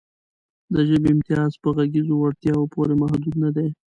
د ژبې امتیاز په غږیزو وړتیاوو پورې محدود نهدی.